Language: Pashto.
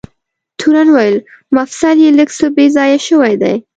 تورن وویل: مفصل یې لږ څه بې ځایه شوی دی.